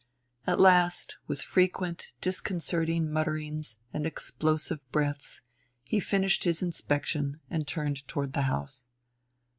At last, with frequent disconcerting mutterings and explosive breaths, he finished his inspection and turned toward the house.